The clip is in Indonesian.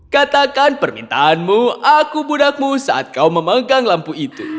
katakan permintaanmu aku budakmu saat kau memegang lampu itu